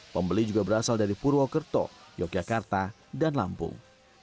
pembeli juga berasal dari purwokerto yogyakarta dan lampung